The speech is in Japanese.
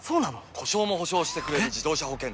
故障も補償してくれる自動車保険といえば？